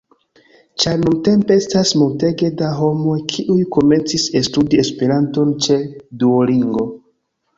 Ĉar nuntempe estas multege da homoj kiuj komencis studi Esperanton ĉe Duolingo